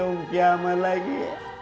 oh kiamat lagi